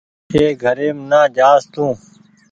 اي گھريم نا جآس تو